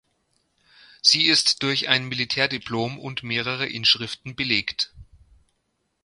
Sie ist durch ein Militärdiplom und mehrere Inschriften belegt.